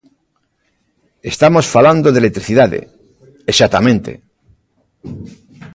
Estamos falando de electricidade, exactamente.